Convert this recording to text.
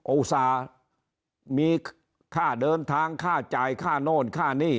โอรศาเหรอมีค่าเดินทางค่าจ่ายค่าน้วนค่านี้